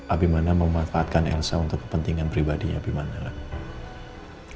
apib mana memanfaatkan elsa untuk kepentingan pribadinya abimana lah